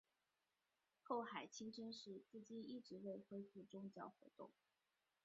后海清真寺至今一直未恢复宗教活动。